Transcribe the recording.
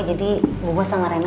jadi bu bos sangat renggak